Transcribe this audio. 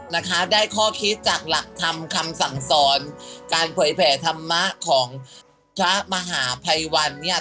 นะคะได้ข้อคิดจากหลักธรรมคำสั่งสอนการเผยแผ่ธรรมะของพระมหาภัยวันเนี่ย